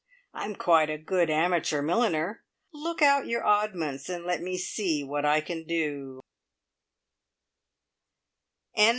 I'm quite a good amateur milliner. Look out your oddments and let me see what I can do."